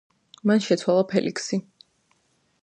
მან შეცვალა ფელიქსი.